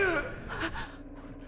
あっ！